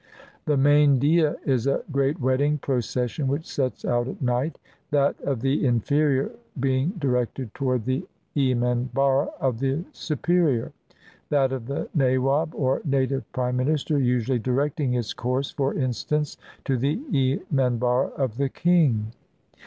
The Mayndieh is a great wedding procession, which sets out at night ; that of the inferior being directed toward the emanharra of the superior — that of the nawab, or native prime minister, usually directing its course, for instance, to the emanharra of the king.